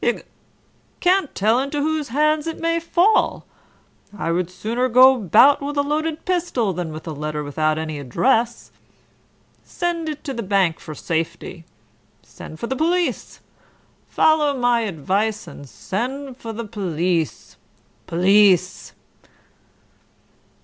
Hic! Can't tell into whose hands it may fall. I would sooner go 'bout with a loaded pistol than with a letter without any address. Send it to the bank for safety. Send for the police. Follow my advice and send for the p'lice. Police!"